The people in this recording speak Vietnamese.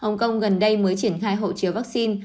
hồng kông gần đây mới triển khai hộ chiếu vaccine